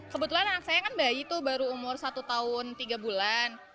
kebetulan anak saya kan bayi tuh baru umur satu tahun tiga bulan